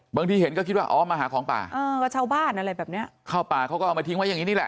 บางที่เห็นก็คิดว่าอ๋อมาหาของป่าเข้าป่าเขาก็เอามาทิ้งไว้อย่างนี้แหละ